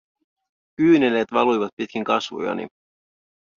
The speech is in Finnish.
Kyyneleet valuivat pitkin kasvojani.